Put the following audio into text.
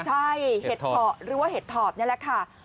ใช่เห็ดเพาะหรือว่าเห็ดถอบนี่แหละค่ะ